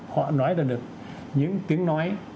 họ nói ra được những tiếng nói